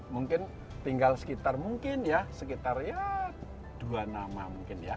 mungkin tinggal sekitar mungkin ya sekitar ya dua nama mungkin ya